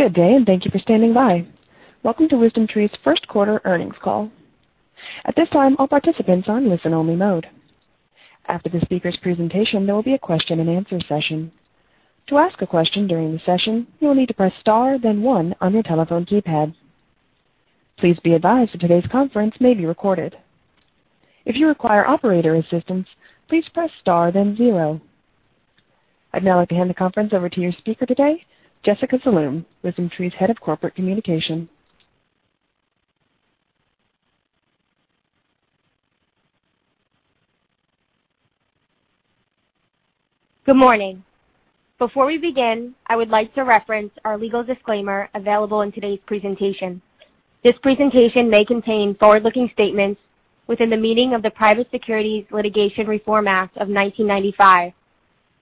Good day, thank you for standing by. Welcome to WisdomTree's first quarter earnings call. At this time all participants are in an only-listen mode. After the speakers presentation there will be a question-and-answer session. To ask a question during a session, you will need to press star then one on your telephone keypad. Please be advised that today's session is being recorded. If you require operator's assistance, please press star then zero. I'd now like to hand the conference over to your speaker today, Jessica Zaloom, WisdomTree's Head of Corporate Communications. Good morning. Before we begin, I would like to reference our legal disclaimer available in today's presentation. This presentation may contain forward-looking statements within the meaning of the Private Securities Litigation Reform Act of 1995.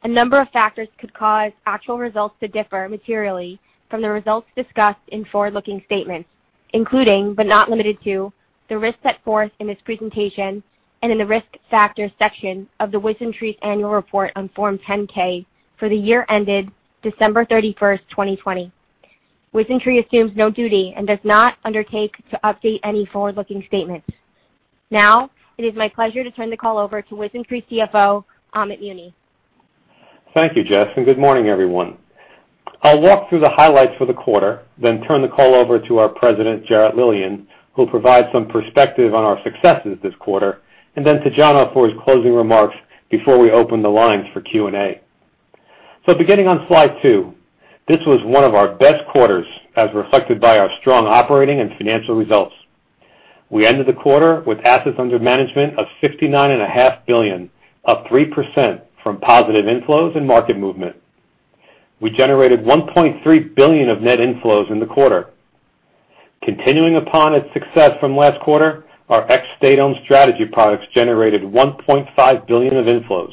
A number of factors could cause actual results to differ materially from the results discussed in forward-looking statements, including, but not limited to, the risks set forth in this presentation and in the Risk Factors section of WisdomTree's annual report on Form 10-K for the year ended December 31st, 2020. WisdomTree assumes no duty and does not undertake to update any forward-looking statements. Now, it is my pleasure to turn the call over to WisdomTree's CFO, Amit Muni. Thank you, Jess, and good morning, everyone. I'll walk through the highlights for the quarter, then turn the call over to our President, Jarrett Lilien, who'll provide some perspective on our successes this quarter, and then to Jonathan for his closing remarks before we open the lines for Q&A. Beginning on slide two, this was one of our best quarters as reflected by our strong operating and financial results. We ended the quarter with assets under management of $69.5 billion, up 3% from positive inflows and market movement. We generated $1.3 billion of net inflows in the quarter. Continuing upon its success from last quarter, our ex-state-owned strategy products generated $1.5 billion of inflows.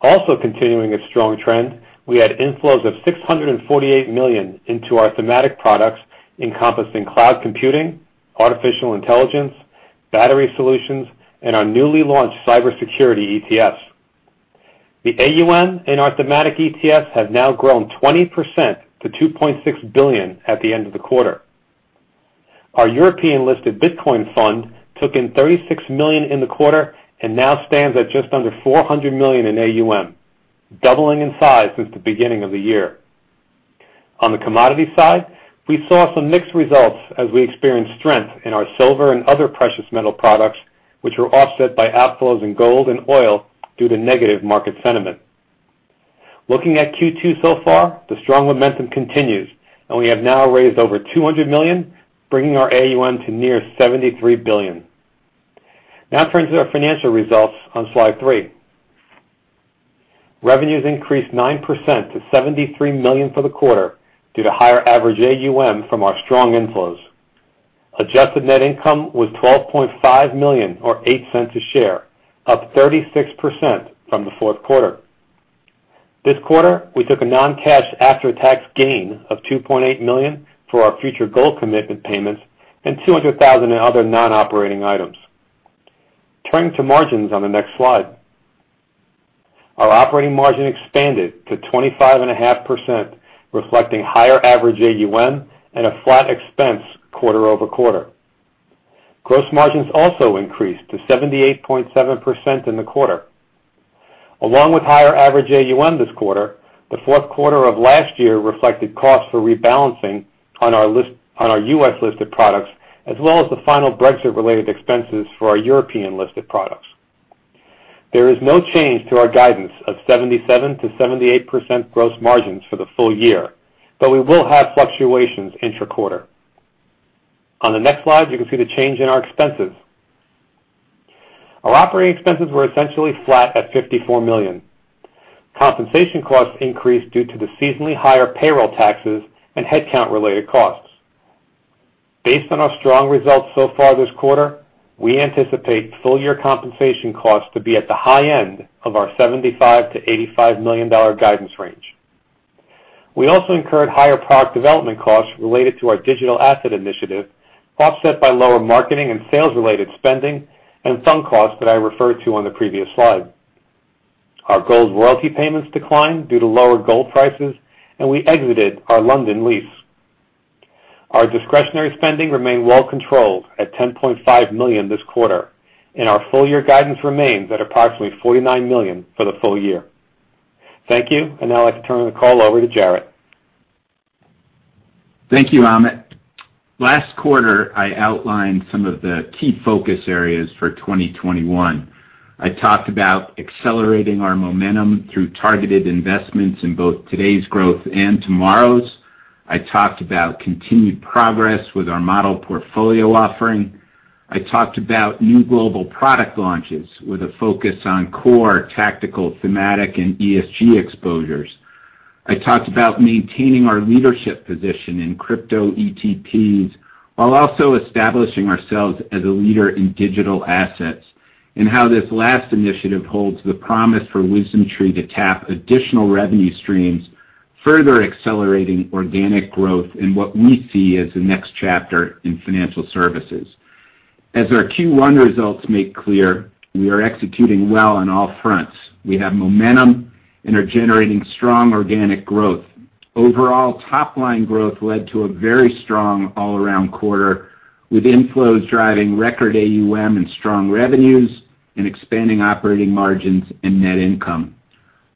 Also continuing its strong trend, we had inflows of $648 million into our thematic products encompassing cloud computing, artificial intelligence, battery solutions, and our newly launched cybersecurity ETFs. The AUM in our thematic ETFs have now grown 20% to $2.6 billion at the end of the quarter. Our European-listed Bitcoin fund took in $36 million in the quarter and now stands at just under $400 million in AUM, doubling in size since the beginning of the year. On the commodity side, we saw some mixed results as we experienced strength in our silver and other precious metal products, which were offset by outflows in gold and oil due to negative market sentiment. Looking at Q2 so far, the strong momentum continues, and we have now raised over $200 million, bringing our AUM to near $73 billion. Turning to our financial results on slide three. Revenues increased 9% to $73 million for the quarter due to higher average AUM from our strong inflows. Adjusted net income was $12.5 million or $0.08 a share, up 36% from the fourth quarter. This quarter, we took a non-cash after-tax gain of $2.8 million for our future gold commitment payments and $200,000 in other non-operating items. Turning to margins on the next slide. Our operating margin expanded to 25.5%, reflecting higher average AUM and a flat expense quarter-over-quarter. Gross margins also increased to 78.7% in the quarter. Along with higher average AUM this quarter, the fourth quarter of last year reflected costs for rebalancing on our U.S.-listed products, as well as the final Brexit-related expenses for our European-listed products. There is no change to our guidance of 77%-78% gross margins for the full year, but we will have fluctuations intra-quarter. On the next slide, you can see the change in our expenses. Our operating expenses were essentially flat at $54 million. Compensation costs increased due to the seasonally higher payroll taxes and headcount-related costs. Based on our strong results so far this quarter, we anticipate full-year compensation costs to be at the high end of our $75 million-$85 million guidance range. We also incurred higher product development costs related to our digital asset initiative, offset by lower marketing and sales-related spending and some costs that I referred to on the previous slide. Our gold royalty payments declined due to lower gold prices, and we exited our London lease. Our discretionary spending remained well controlled at $10.5 million this quarter, and our full-year guidance remains at approximately $49 million for the full year. Thank you. I'd now like to turn the call over to Jarrett. Thank you, Amit. Last quarter, I outlined some of the key focus areas for 2021. I talked about accelerating our momentum through targeted investments in both today's growth and tomorrow's. I talked about continued progress with our model portfolio offering. I talked about new global product launches with a focus on core tactical thematic and ESG exposures. I talked about maintaining our leadership position in crypto ETPs while also establishing ourselves as a leader in digital assets, and how this last initiative holds the promise for WisdomTree to tap additional revenue streams, further accelerating organic growth in what we see as the next chapter in financial services. As our Q1 results make clear, we are executing well on all fronts. We have momentum and are generating strong organic growth. Overall, top-line growth led to a very strong all-around quarter, with inflows driving record AUM and strong revenues and expanding operating margins and net income.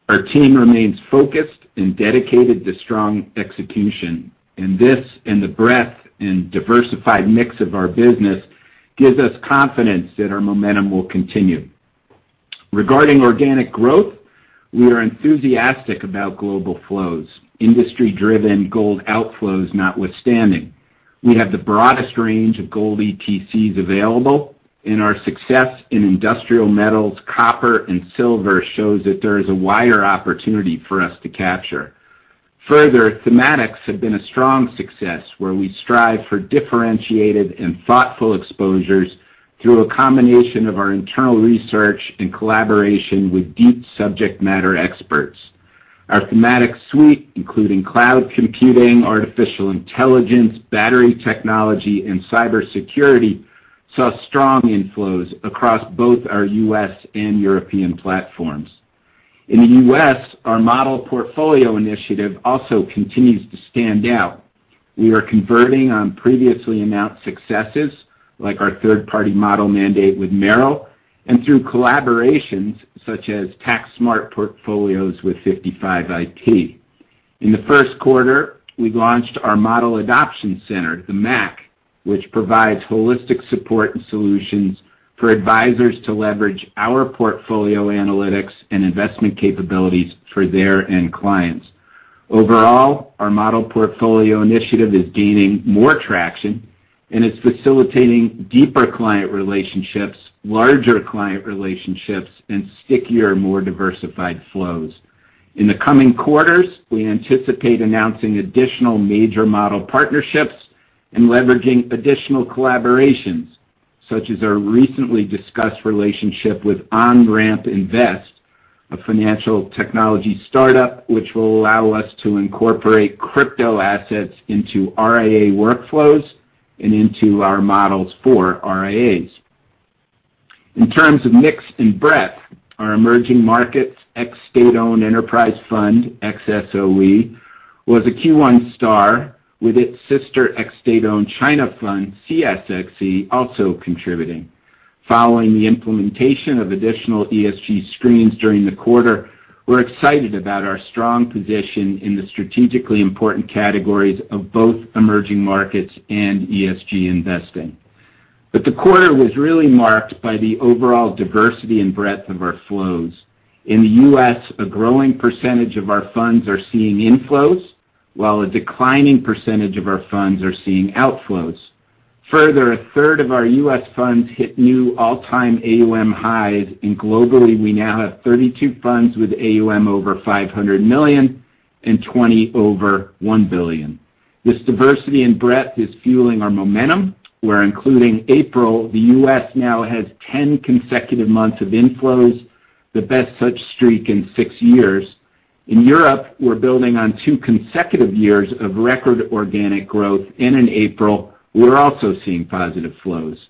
Our team remains focused and dedicated to strong execution, and this and the breadth and diversified mix of our business gives us confidence that our momentum will continue. Regarding organic growth, we are enthusiastic about global flows, industry-driven gold outflows notwithstanding. We have the broadest range of gold ETCs available, and our success in industrial metals, copper, and silver shows that there is a wider opportunity for us to capture. Further, thematics have been a strong success where we strive for differentiated and thoughtful exposures through a combination of our internal research in collaboration with deep subject matter experts. Our thematic suite, including cloud computing, artificial intelligence, battery technology, and cybersecurity, saw strong inflows across both our U.S. and European platforms. In the U.S., our model portfolio initiative also continues to stand out. We are converting on previously announced successes, like our third-party model mandate with Merrill, and through collaborations such as tax-smart portfolios with 55ip. In the first quarter, we launched our Model Adoption Center, the MAC, which provides holistic support and solutions for advisors to leverage our portfolio analytics and investment capabilities for their end clients. Overall, our model portfolio initiative is gaining more traction, and it's facilitating deeper client relationships, larger client relationships, and stickier, more diversified flows. In the coming quarters, we anticipate announcing additional major model partnerships and leveraging additional collaborations, such as our recently discussed relationship with Onramp Invest, a financial technology startup which will allow us to incorporate crypto assets into RIA workflows and into our models for RIAs. In terms of mix and breadth, our Emerging Markets ex-State-Owned Enterprise Fund, ex-SOE, was a Q1 star, with its sister ex-State-Owned China Fund, CXSE, also contributing. Following the implementation of additional ESG screens during the quarter, we're excited about our strong position in the strategically important categories of both emerging markets and ESG investing. The quarter was really marked by the overall diversity and breadth of our flows. In the U.S., a growing % of our funds are seeing inflows, while a declining % of our funds are seeing outflows. A third of our U.S. funds hit new all-time AUM highs, and globally, we now have 32 funds with AUM over $500 million and 20 over $1 billion. This diversity and breadth is fueling our momentum, where including April, the U.S. now has 10 consecutive months of inflows, the best such streak in six years. In Europe, we're building on two consecutive years of record organic growth. In April, we're also seeing positive flows.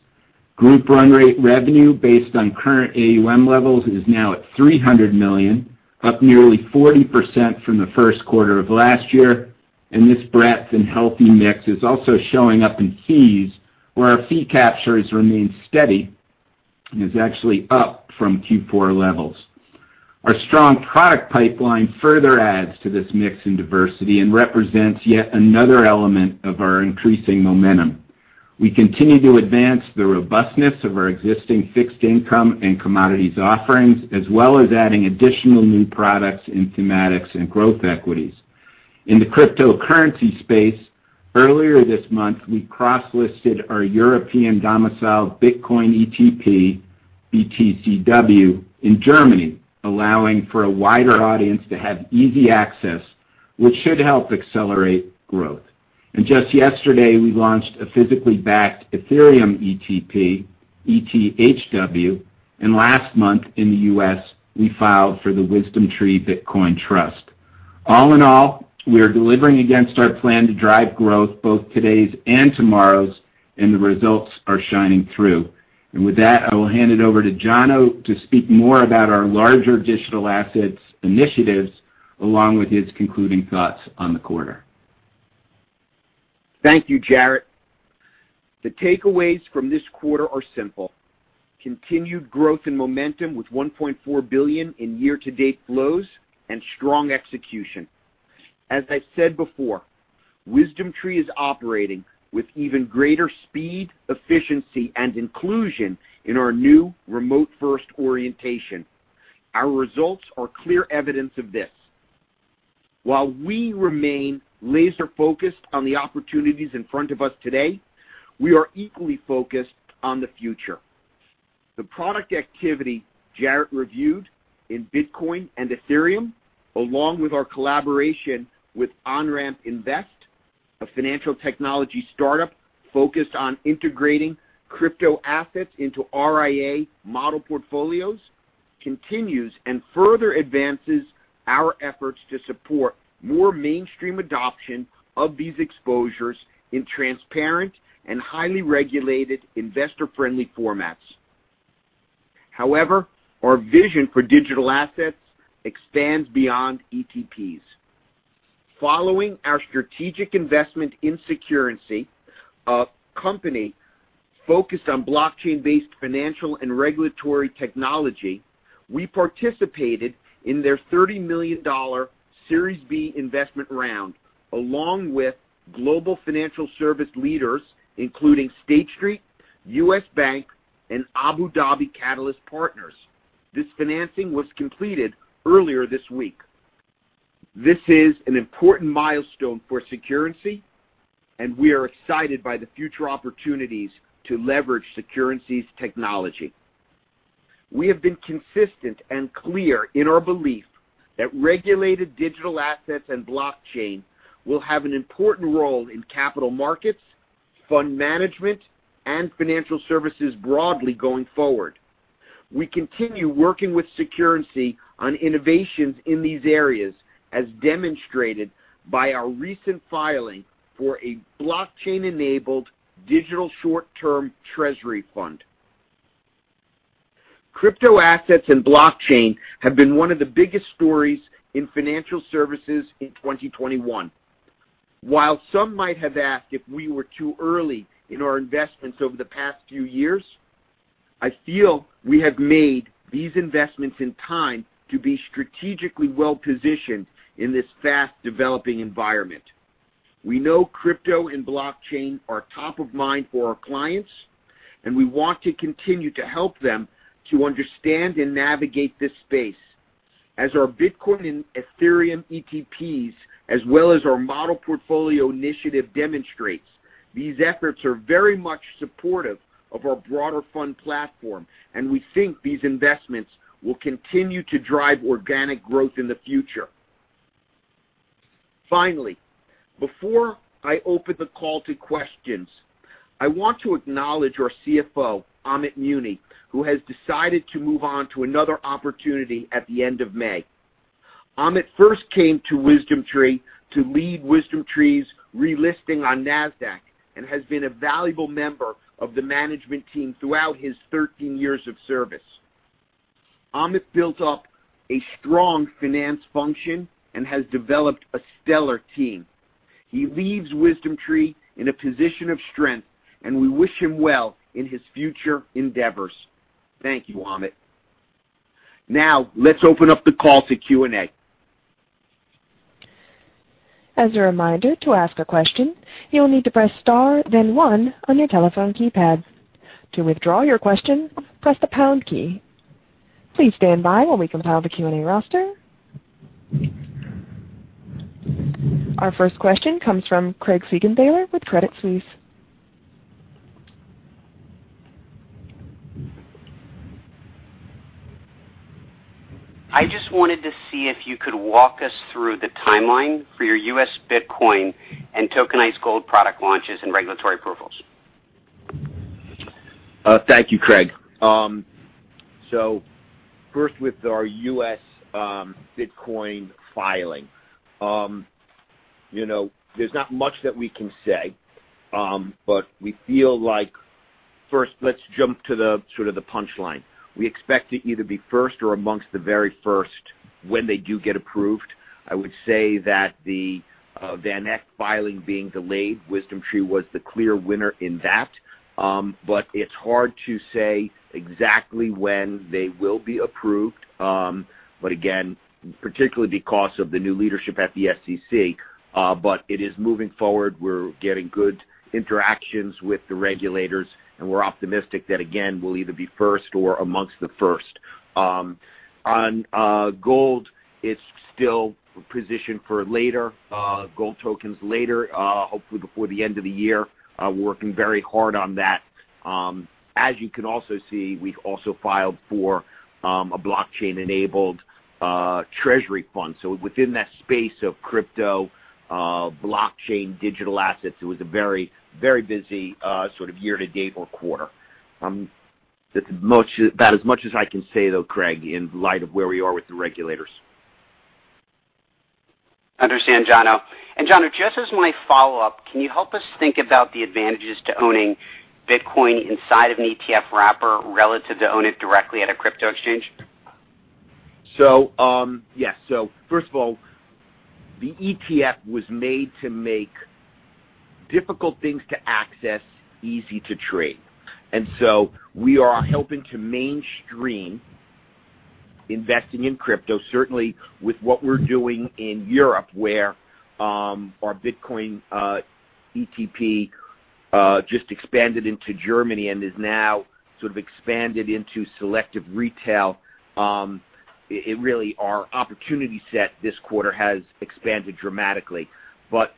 Group run rate revenue based on current AUM levels is now at $300 million, up nearly 40% from the first quarter of last year. This breadth and healthy mix is also showing up in fees, where our fee captures remain steady, is actually up from Q4 levels. Our strong product pipeline further adds to this mix and diversity and represents yet another element of our increasing momentum. We continue to advance the robustness of our existing fixed income and commodities offerings, as well as adding additional new products in thematics and growth equities. In the cryptocurrency space, earlier this month, we cross-listed our European domicile Bitcoin ETP, BTCW, in Germany, allowing for a wider audience to have easy access, which should help accelerate growth. Just yesterday, we launched a physically backed Ethereum ETP, ETHW, and last month in the U.S., we filed for the WisdomTree Bitcoin Trust. All in all, we are delivering against our plan to drive growth, both today's and tomorrow's, and the results are shining through. With that, I will hand it over to Jonathan to speak more about our larger digital assets initiatives, along with his concluding thoughts on the quarter. Thank you, Jarrett. The takeaways from this quarter are simple, continued growth and momentum with $1.4 billion in year-to-date flows and strong execution. As I've said before, WisdomTree is operating with even greater speed, efficiency, and inclusion in our new remote-first orientation. Our results are clear evidence of this. While we remain laser-focused on the opportunities in front of us today, we are equally focused on the future. The product activity Jarrett reviewed in Bitcoin and Ethereum, along with our collaboration with Onramp Invest, a financial technology startup focused on integrating crypto assets into RIA model portfolios, continues and further advances our efforts to support more mainstream adoption of these exposures in transparent and highly regulated investor-friendly formats. Our vision for digital assets expands beyond ETPs. Following our strategic investment in Securrency, a company focused on blockchain-based financial and regulatory technology, we participated in their $30 million Series B investment round, along with global financial service leaders, including State Street, U.S. Bank, and Abu Dhabi Catalyst Partners. This financing was completed earlier this week. This is an important milestone for Securrency, and we are excited by the future opportunities to leverage Securrency's technology. We have been consistent and clear in our belief that regulated digital assets and blockchain will have an important role in capital markets, fund management, and financial services broadly going forward. We continue working with Securrency on innovations in these areas, as demonstrated by our recent filing for a blockchain-enabled digital short-term treasury fund. Crypto assets and blockchain have been one of the biggest stories in financial services in 2021. While some might have asked if we were too early in our investments over the past few years, I feel we have made these investments in time to be strategically well-positioned in this fast-developing environment. We know crypto and blockchain are top of mind for our clients, and we want to continue to help them to understand and navigate this space. As our Bitcoin and Ethereum ETPs, as well as our model portfolio initiative demonstrates, these efforts are very much supportive of our broader fund platform, and we think these investments will continue to drive organic growth in the future. Finally, before I open the call to questions, I want to acknowledge our CFO, Amit Muni, who has decided to move on to another opportunity at the end of May. Amit first came to WisdomTree to lead WisdomTree's relisting on NASDAQ and has been a valuable member of the management team throughout his 13 years of service. Amit built up a strong finance function and has developed a stellar team. He leaves WisdomTree in a position of strength, and we wish him well in his future endeavors. Thank you, Amit. Now, let's open up the call to Q&A. As a reminder to ask a question you will need to press star then one on your telephone keypad. To withdrawal your question press the pound key. Please standby as we compile the Q&A roster. Our first question comes from Craig Siegenthaler with Credit Suisse. I just wanted to see if you could walk us through the timeline for your U.S. Bitcoin and tokenized gold product launches and regulatory approvals. Thank you, Craig. First with our U.S. Bitcoin filing. There's not much that we can say. We feel like first, let's jump to the sort of the punchline. We expect to either be first or amongst the very first when they do get approved. I would say that the VanEck filing being delayed, WisdomTree was the clear winner in that. It's hard to say exactly when they will be approved. Particularly because of the new leadership at the SEC, but it is moving forward. We're getting good interactions with the regulators, and we're optimistic that, again, we'll either be first or amongst the first. On gold, it's still positioned for later, gold tokens later, hopefully before the end of the year. We're working very hard on that. As you can also see, we've also filed for a blockchain-enabled treasury fund. Within that space of crypto, blockchain, digital assets, it was a very busy sort of year to date or quarter. That's about as much as I can say though, Craig, in light of where we are with the regulators. Understand, Jono. Jono, just as my follow-up, can you help us think about the advantages to owning Bitcoin inside of an ETF wrapper relative to own it directly at a crypto exchange? Yeah. First of all, the ETF was made to make difficult things to access, easy to trade. We are helping to mainstream investing in crypto, certainly with what we're doing in Europe, where our Bitcoin ETP just expanded into Germany and is now sort of expanded into selective retail. Really our opportunity set this quarter has expanded dramatically. Not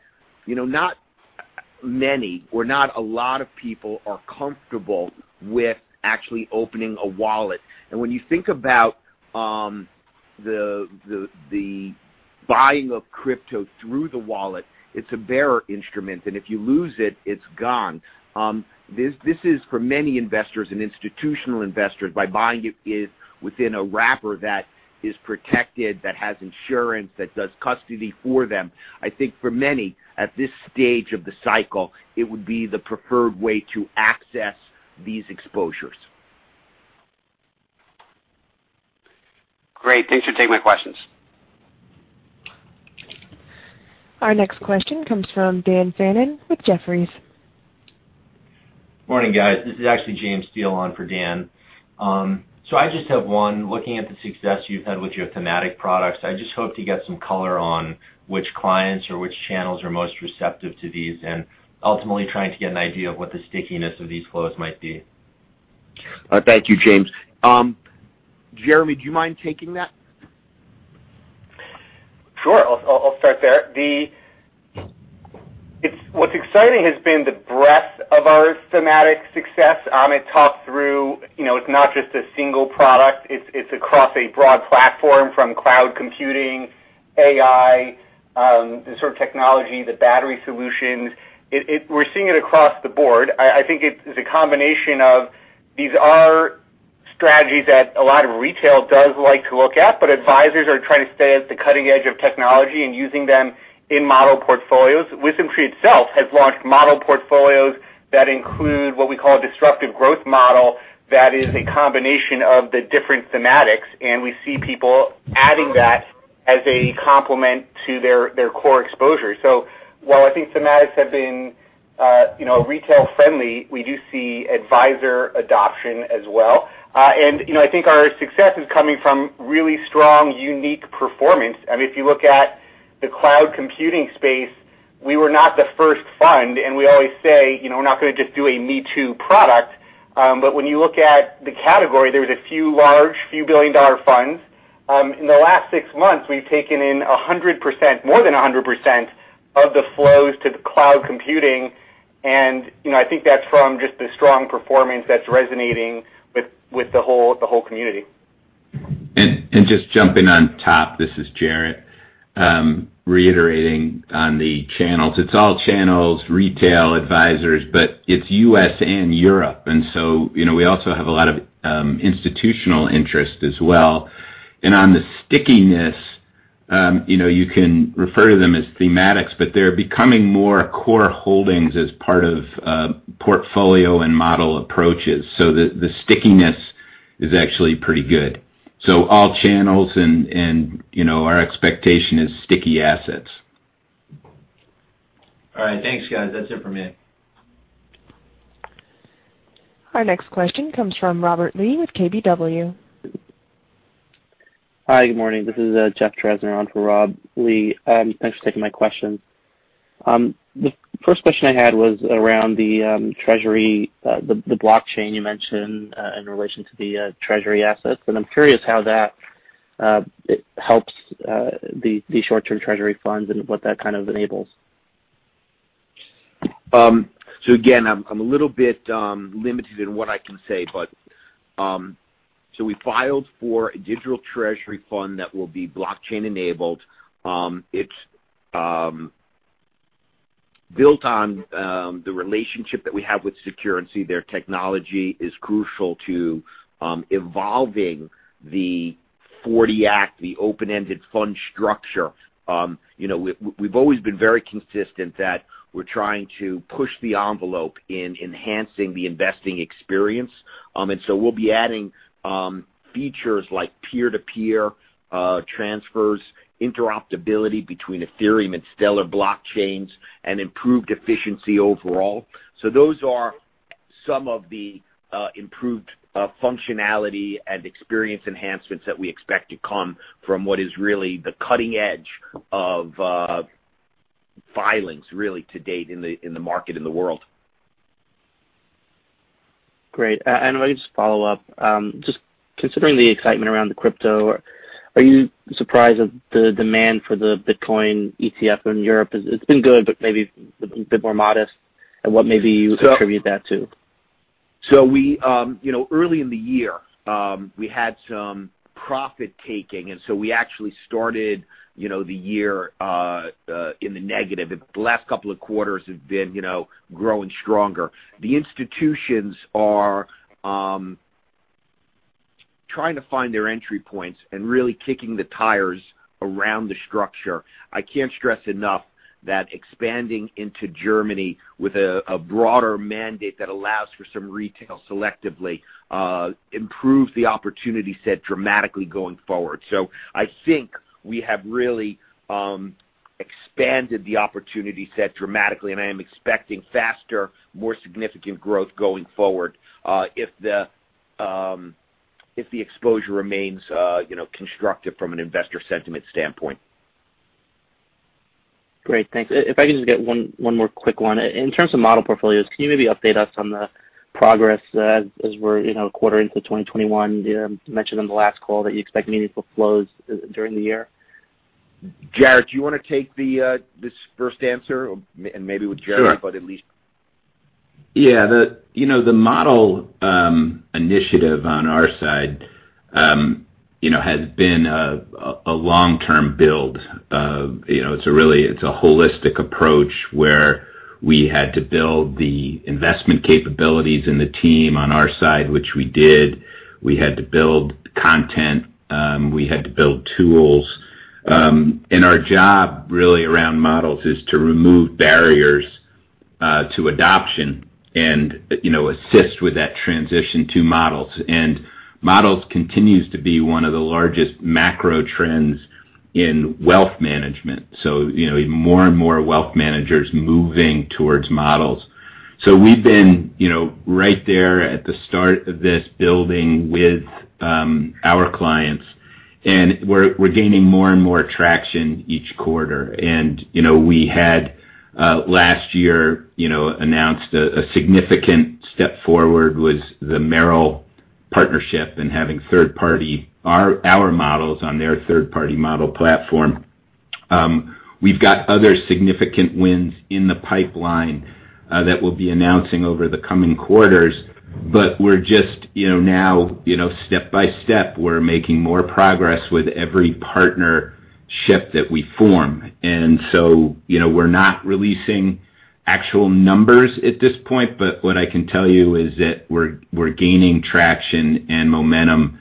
many or not a lot of people are comfortable with actually opening a wallet. The buying of crypto through the wallet, it's a bearer instrument, and if you lose it's gone. This is for many investors and institutional investors, by buying it within a wrapper that is protected, that has insurance, that does custody for them. I think for many, at this stage of the cycle, it would be the preferred way to access these exposures. Great. Thanks for taking my questions. Our next question comes from Dan Fannon with Jefferies. Morning, guys. This is actually James Steele on for Dan. I just have one. Looking at the success you've had with your thematic products, I just hope to get some color on which clients or which channels are most receptive to these, and ultimately trying to get an idea of what the stickiness of these flows might be. Thank you, James. Jeremy, do you mind taking that? Sure. I'll start there. What's exciting has been the breadth of our thematic success. Amit talked through, it's not just a single product. It's across a broad platform from cloud computing, AI, the sort of technology, the battery solutions. We're seeing it across the board. I think it is a combination of these are strategies that a lot of retail does like to look at, but advisors are trying to stay at the cutting edge of technology and using them in model portfolios. WisdomTree itself has launched model portfolios that include what we call a disruptive growth model that is a combination of the different thematics, and we see people adding that as a complement to their core exposure. While I think thematics have been retail friendly, we do see advisor adoption as well. I think our success is coming from really strong, unique performance. If you look at the cloud computing space, we were not the first fund, and we always say, we're not going to just do a me too product. When you look at the category, there was a few large, few billion-dollar funds. In the last six months, we've taken in 100%, more than 100%, of the flows to the cloud computing, and I think that's from just the strong performance that's resonating with the whole community. Just jumping on top, this is Jarrett, reiterating on the channels. It's all channels, retail, advisors, but it's U.S. and Europe. We also have a lot of institutional interest as well. On the stickiness, you can refer to them as thematics, but they're becoming more core holdings as part of portfolio and model approaches. The stickiness is actually pretty good. All channels, and our expectation is sticky assets. All right. Thanks, guys. That's it for me. Our next question comes from Robert Lee with KBW. Hi, good morning. This is Jeff Tresidder on for Robert Lee. Thanks for taking my question. The first question I had was around the blockchain you mentioned in relation to the Treasury assets, and I'm curious how that helps the short-term Treasury funds and what that kind of enables. Again, I'm a little bit limited in what I can say, but we filed for a digital Treasury fund that will be blockchain enabled. It's built on the relationship that we have with Securrency. Their technology is crucial to evolving the '40 Act, the open-ended fund structure. We've always been very consistent that we're trying to push the envelope in enhancing the investing experience. We'll be adding features like peer-to-peer transfers, interoperability between Ethereum and Stellar blockchains, and improved efficiency overall. Those are some of the improved functionality and experience enhancements that we expect to come from what is really the cutting edge of filings really to date in the market, in the world. Great. If I could just follow up, just considering the excitement around the crypto, are you surprised at the demand for the Bitcoin ETF in Europe? It's been good, but maybe a bit more modest, and what maybe you would attribute that to? Early in the year, we had some profit taking, and so we actually started the year in the negative. The last couple of quarters have been growing stronger. The institutions are trying to find their entry points and really kicking the tires around the structure. I can't stress enough that expanding into Germany with a broader mandate that allows for some retail selectively improves the opportunity set dramatically going forward. I think we have really expanded the opportunity set dramatically, and I am expecting faster, more significant growth going forward if the exposure remains constructive from an an investor sentiment standpoint. Great. Thanks. If I could just get one more quick one. In terms of model portfolios, can you maybe update us on the progress as we're a quarter into 2021? You mentioned on the last call that you expect meaningful flows during the year. Jarrett, do you want to take this first answer? Maybe with Jeremy- Sure. The model initiative on our side has been a long-term build. It's a holistic approach where we had to build the investment capabilities in the team on our side, which we did. We had to build content, we had to build tools. Our job, really, around models is to remove barriers to adoption and assist with that transition to models. Models continues to be one of the largest macro trends in wealth management, so more and more wealth managers moving towards models. We've been right there at the start of this building with our clients, and we're gaining more and more traction each quarter. We had, last year, announced a significant step forward was the Merrill partnership and having our models on their third-party model platform. We've got other significant wins in the pipeline that we'll be announcing over the coming quarters. We're just now, step by step, we're making more progress with every partnership that we form. We're not releasing actual numbers at this point. What I can tell you is that we're gaining traction and momentum,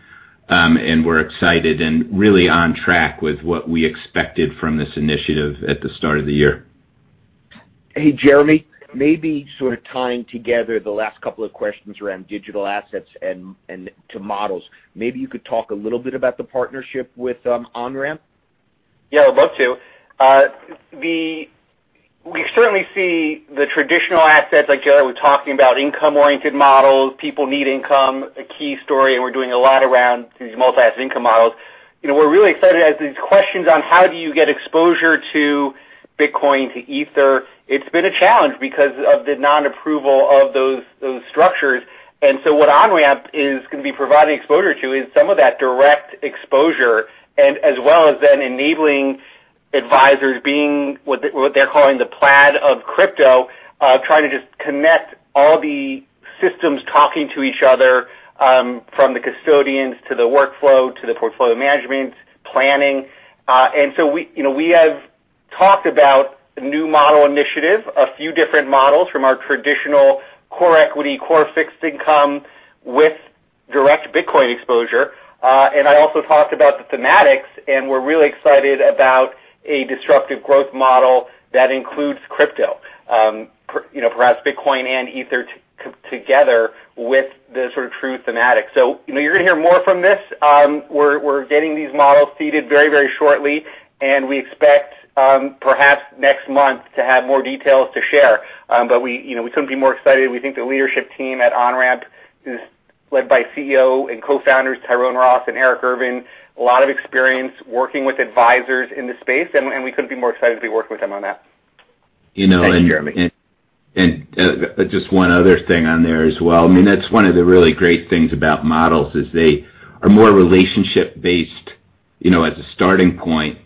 and we're excited and really on track with what we expected from this initiative at the start of the year. Hey, Jeremy, maybe sort of tying together the last couple of questions around digital assets and to models, maybe you could talk a little bit about the partnership with Onramp? Yeah, I'd love to. We certainly see the traditional assets, like Jarrett was talking about, income-oriented models. People need income, a key story, and we're doing a lot around these multi-asset income models. We're really excited as these questions on how do you get exposure to Bitcoin, to Ether, it's been a challenge because of the non-approval of those structures. What Onramp is going to be providing exposure to is some of that direct exposure, as well as then enabling advisors being what they're calling the Plaid of crypto, trying to just connect all the systems talking to each other, from the custodians to the workflow, to the portfolio management, planning. We have talked about the new model initiative, a few different models from our traditional core equity, core fixed income with direct Bitcoin exposure. I also talked about the thematics, and we're really excited about a disruptive growth model that includes crypto. Perhaps Bitcoin and Ether together with the sort of true thematic. You're going to hear more from this. We're getting these models seeded very shortly, and we expect, perhaps next month, to have more details to share. We couldn't be more excited. We think the leadership team at Onramp is led by CEO and co-founders Tyrone Ross and Eric Ervin. A lot of experience working with advisors in the space, and we couldn't be more excited to be working with them on that. Thank you, Jeremy. Just one other thing on there as well. That's one of the really great things about models is they are more relationship based as a starting point,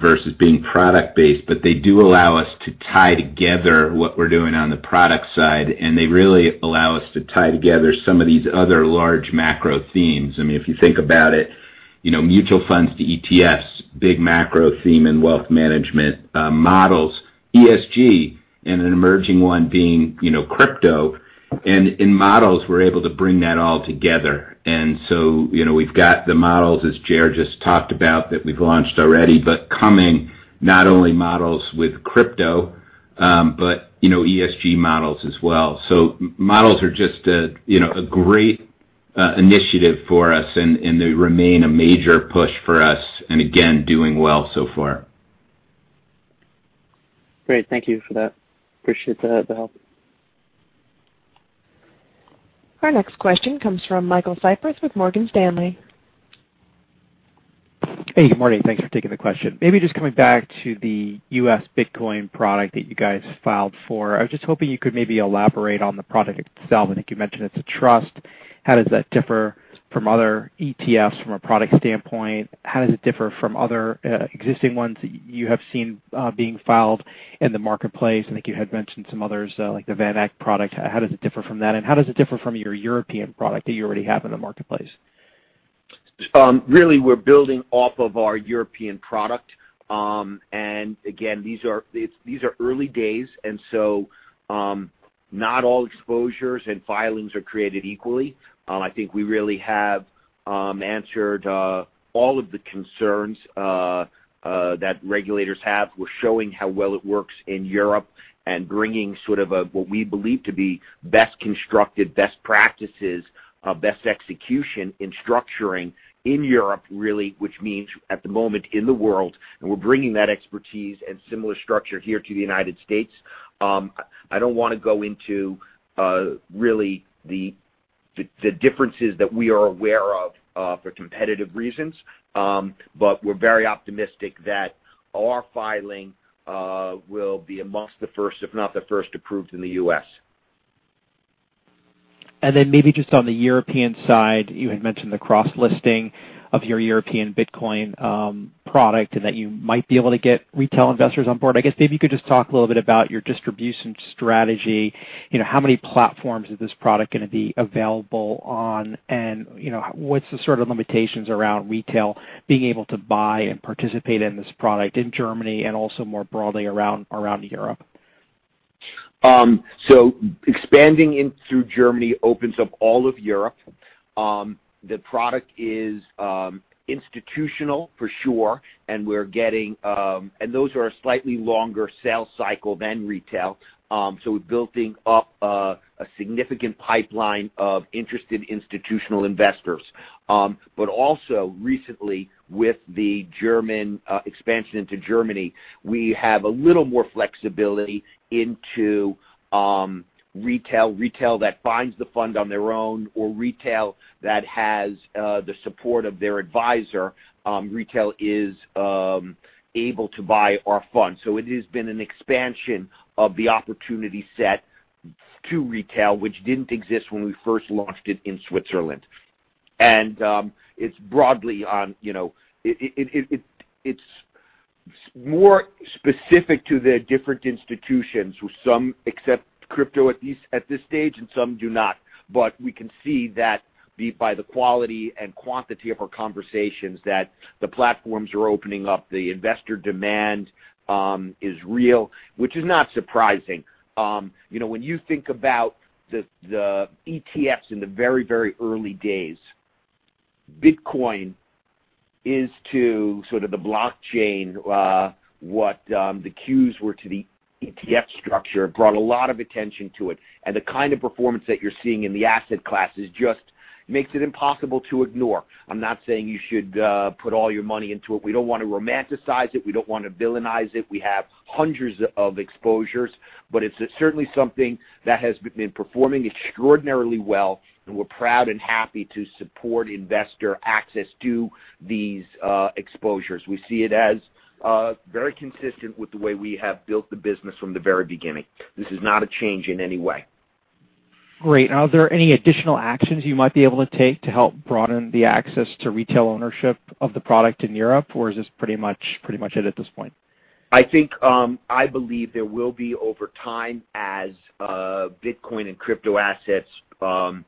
versus being product based. They do allow us to tie together what we're doing on the product side, and they really allow us to tie together some of these other large macro themes. If you think about it, mutual funds to ETFs, big macro theme in wealth management models, ESG, and an emerging one being crypto. In models, we're able to bring that all together. We've got the models, as Jeremy just talked about, that we've launched already. Coming, not only models with crypto, but ESG models as well. Models are just a great initiative for us, and they remain a major push for us, and again, doing well so far. Great. Thank you for that. Appreciate the help. Our next question comes from Michael Cyprys with Morgan Stanley. Hey, good morning. Thanks for taking the question. Maybe just coming back to the U.S. Bitcoin product that you guys filed for, I was just hoping you could maybe elaborate on the product itself. I think you mentioned it's a trust. How does that differ from other ETFs from a product standpoint? How does it differ from other existing ones you have seen being filed in the marketplace? I think you had mentioned some others, like the VanEck product. How does it differ from that, and how does it differ from your European product that you already have in the marketplace? Really, we're building off of our European product. Again, these are early days. Not all exposures and filings are created equally. I think we really have answered all of the concerns that regulators have. We're showing how well it works in Europe and bringing sort of what we believe to be best constructed, best practices, best execution in structuring in Europe, really, which means at the moment in the world. We're bringing that expertise and similar structure here to the U.S. I don't want to go into really the differences that we are aware of for competitive reasons. We're very optimistic that our filing will be amongst the first, if not the first, approved in the U.S. Then maybe just on the European side, you had mentioned the cross-listing of your European Bitcoin product and that you might be able to get retail investors on board. I guess maybe you could just talk a little bit about your distribution strategy, how many platforms is this product going to be available on, and what's the sort of limitations around retail being able to buy and participate in this product in Germany and also more broadly around Europe? Expanding through Germany opens up all of Europe. The product is institutional for sure. Those are a slightly longer sales cycle than retail. We're building up a significant pipeline of interested institutional investors. Also recently with the expansion into Germany, we have a little more flexibility into retail. Retail that finds the fund on their own, or retail that has the support of their advisor, retail is able to buy our fund. It has been an expansion of the opportunity set to retail, which didn't exist when we first launched it in Switzerland. It's more specific to the different institutions who some accept crypto at this stage and some do not. We can see that by the quality and quantity of our conversations, that the platforms are opening up, the investor demand is real, which is not surprising. When you think about the ETFs in the very early days, Bitcoin is to sort of the blockchain what the Qs were to the ETF structure. The kind of performance that you're seeing in the asset classes just makes it impossible to ignore. I'm not saying you should put all your money into it. We don't want to romanticize it. We don't want to villainize it. We have 100s of exposures, but it's certainly something that has been performing extraordinarily well, and we're proud and happy to support investor access to these exposures. We see it as very consistent with the way we have built the business from the very beginning. This is not a change in any way. Great. Are there any additional actions you might be able to take to help broaden the access to retail ownership of the product in Europe, or is this pretty much it at this point? I believe there will be over time as Bitcoin and cryptoassets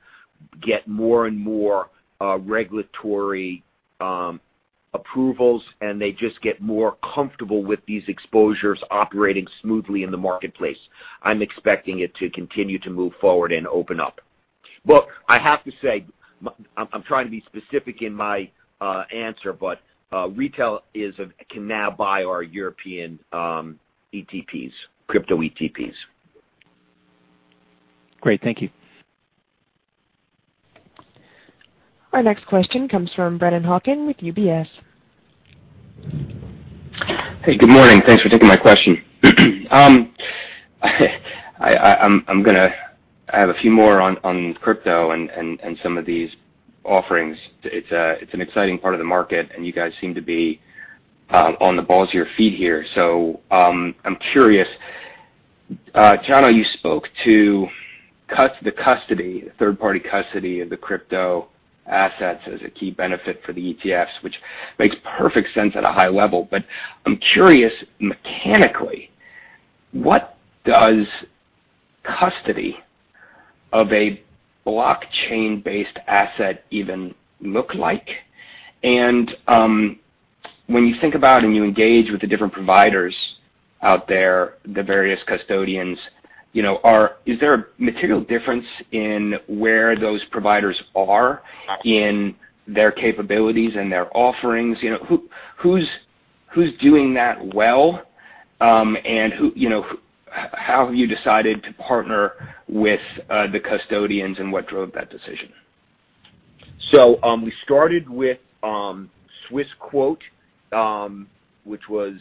get more and more regulatory approvals, and they just get more comfortable with these exposures operating smoothly in the marketplace. I'm expecting it to continue to move forward and open up. Look, I have to say, I'm trying to be specific in my answer, but retail can now buy our European ETPs, crypto ETPs. Great. Thank you. Our next question comes from Brennan Hawken with UBS. Hey, good morning. Thanks for taking my question. I have a few more on crypto and some of these offerings. It's an exciting part of the market, and you guys seem to be on the balls of your feet here. I'm curious, Jonathan I know you spoke to the custody, third-party custody of the crypto assets as a key benefit for the ETFs, which makes perfect sense at a high level. I'm curious, mechanically, what does custody of a blockchain-based asset even look like? When you think about and you engage with the different providers out there, the various custodians, is there a material difference in where those providers are in their capabilities and their offerings? Who's doing that well? How have you decided to partner with the custodians, and what drove that decision? We started with Swissquote, which was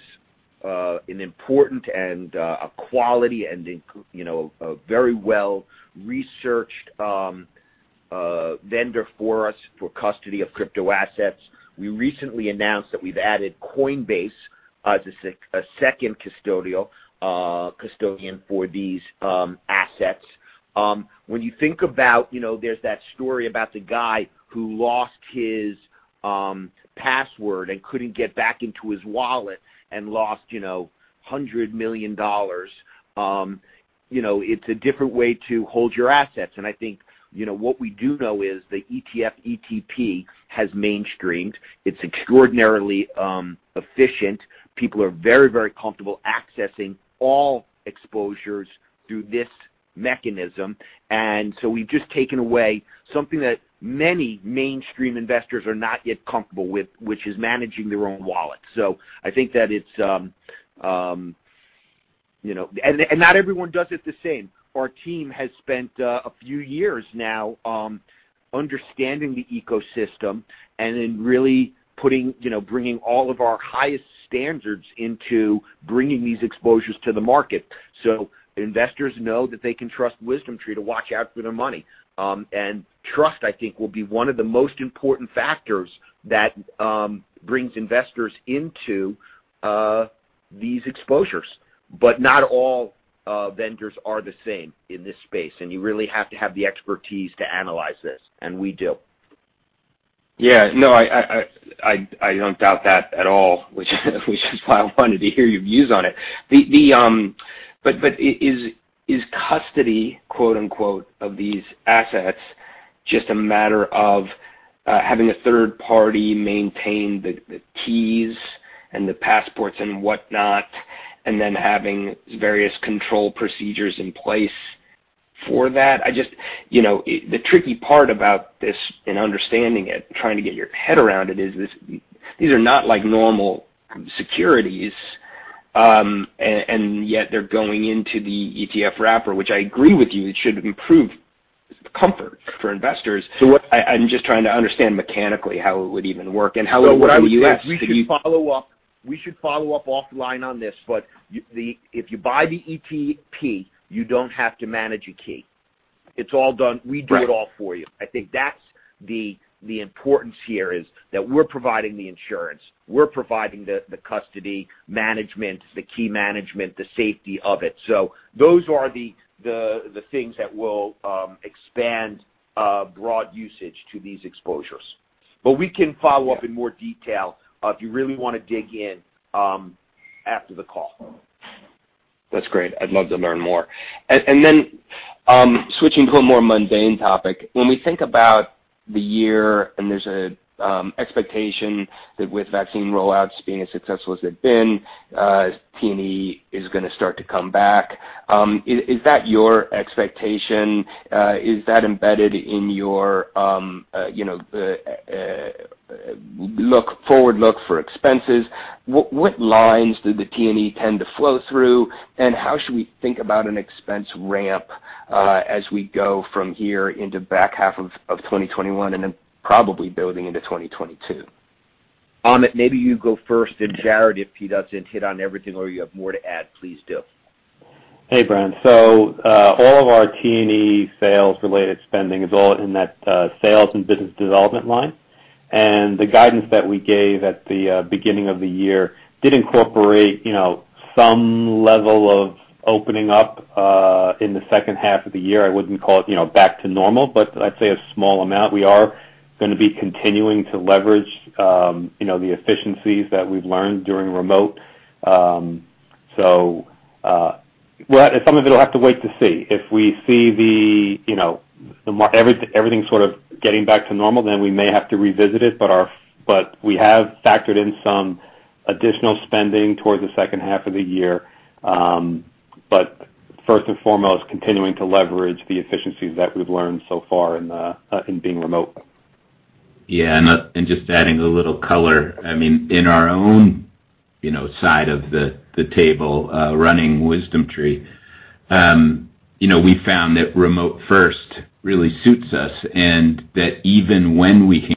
an important and a quality and a very well-researched vendor for us for custody of crypto assets. We recently announced that we've added Coinbase as a second custodian for these assets. When you think about, there's that story about the guy who lost his password and couldn't get back into his wallet and lost $100 million. It's a different way to hold your assets, and I think what we do know is the ETF/ETP has mainstreamed. It's extraordinarily efficient. People are very comfortable accessing all exposures through this mechanism, we've just taken away something that many mainstream investors are not yet comfortable with, which is managing their own wallet. Not everyone does it the same. Our team has spent a few years now understanding the ecosystem and in really bringing all of our highest standards into bringing these exposures to the market so investors know that they can trust WisdomTree to watch out for their money. Trust, I think, will be one of the most important factors that brings investors into these exposures. Not all vendors are the same in this space, and you really have to have the expertise to analyze this, and we do. Yeah. No, I don't doubt that at all, which is why I wanted to hear your views on it. Is custody, quote unquote, of these assets just a matter of having a third party maintain the keys and the passports and whatnot, and then having various control procedures in place for that? The tricky part about this and understanding it, trying to get your head around it, is these are not like normal securities. Yet they're going into the ETF wrapper, which I agree with you, it should improve comfort for investors. I'm just trying to understand mechanically how it would even work and how it would work in the U.S. Could you- What I would say is we should follow up offline on this, but if you buy the ETP, you don't have to manage a key. It's all done. Right. We do it all for you. I think that's the importance here, is that we're providing the insurance, we're providing the custody management, the key management, the safety of it. Those are the things that will expand broad usage to these exposures. We can follow up in more detail if you really want to dig in after the call. That's great. I'd love to learn more. Switching to a more mundane topic, when we think about the year, and there's an expectation that with vaccine rollouts being as successful as they've been, T&E is going to start to come back. Is that your expectation? Is that embedded in your forward look for expenses? What lines do the T&E tend to flow through, and how should we think about an expense ramp as we go from here into back half of 2021 and then probably building into 2022? Amit, maybe you go first, then Jarrett, if he doesn't hit on everything or you have more to add, please do. Hey, Brennan. All of our T&E sales-related spending is all in that sales and business development line. The guidance that we gave at the beginning of the year did incorporate some level of opening up in the second half of the year. I wouldn't call it back to normal, but I'd say a small amount. We are going to be continuing to leverage the efficiencies that we've learned during remote. Some of it, we'll have to wait to see. If we see everything sort of getting back to normal, then we may have to revisit it, but we have factored in some additional spending towards the second half of the year. First and foremost, continuing to leverage the efficiencies that we've learned so far in being remote. Yeah, just adding a little color, in our own side of the table, running WisdomTree, we found that remote first really suits us, and that even when we.